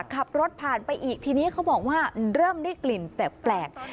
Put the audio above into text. ขับรถผ่านไปอีกทีนี้เขาบอกว่าเริ่มได้กลิ่นแปลก